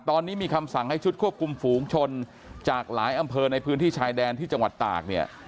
ตอนนี้มีคำสั่งให้ชุดควบคุมฝูงชนจากหลายอำเภอในพื้นที่ชายแดนที่จังหวัดตากเนี่ย